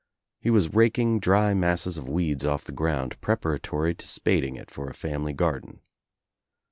He was raking dry mas l scs of weeds off the ground preparatory to spading I it for a family garden.